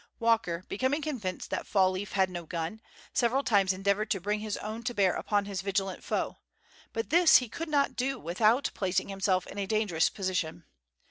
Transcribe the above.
Walker becoming convinced that Fall leaf had no gun, several times endeavored to bring his own to bear upon his vigilant foe, but this he could not do without placing himself in a dangerous position.